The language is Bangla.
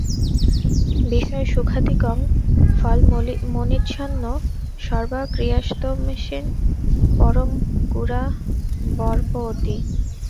বিষয়সুখাদিকং ফলমনিচ্ছন সর্বা ক্রিয়াস্তস্মিন পরমগুরাবর্পয়তি।